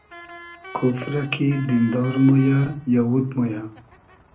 کوفرۂ کی دیندار مۉ یۂ , یئوود مۉ یۂ